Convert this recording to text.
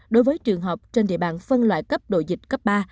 đối với trường hợp trên địa bàn phân loại cấp độ dịch cấp ba